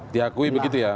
diakui begitu ya